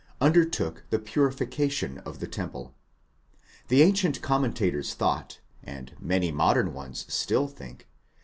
under took the purification of the temple. The ancient commentators thought, and many modern ones still think